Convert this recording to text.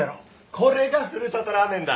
これがふるさとラーメンだ！